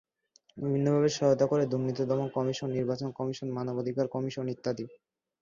বিভিন্নভাবে সহায়তা করে দুর্নীতি দমন কমিশন, নির্বাচন কমিশন, মানবাধিকার কমিশন ইত্যাদি।